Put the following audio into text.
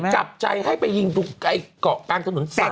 จับใจให้ไปยิงตรงเกาะกลางถนนสัตว